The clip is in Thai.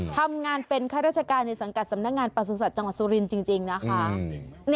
ทำงานเป็นข้าราชการในสังกัดสำนักงานประสุทธิ์จังหวัดสุรินทร์จริงนะคะ